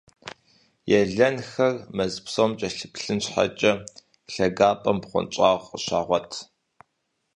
Елэнхэр мэз псом кӀэлъыплъын папщӀэ, лъагапӀэм бгъуэнщӀагъ къыщагъуэт.